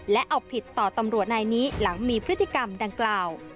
และเอาผิดต่อตำรวจนายนี้หลังมีพฤติกรรมดังกล่าว